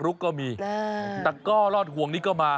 แล้วก็รอดห่วงนี้ก็มา